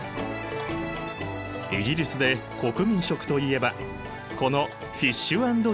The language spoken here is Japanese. イギリスで国民食といえばこのフィッシュ＆チップスなのだ！